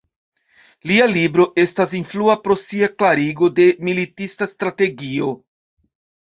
Lia libro estas influa pro sia klarigo de militista strategio.